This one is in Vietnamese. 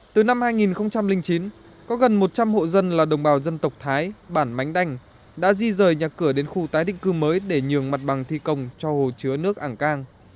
từ năm hai nghìn chín có gần một trăm linh hộ dân là đồng bào dân tộc thái bản mánh đanh đã di rời nhà cửa đến khu tái định cư mới để nhường mặt bằng thi công cho hồ chứa nước ảng cang